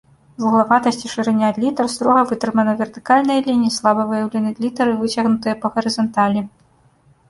Вуглаватасць і шырыня літар строга вытрымана, вертыкальныя лініі слаба выяўлены, літары выцягнутыя па гарызанталі.